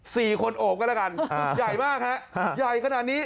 สี่คนโอบก็แล้วกันใหญ่มากฮะใหญ่ขนาดนี้